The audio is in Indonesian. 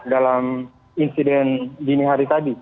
dalam insiden dini hari tadi